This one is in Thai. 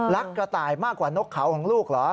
กระต่ายมากกว่านกเขาของลูกเหรอ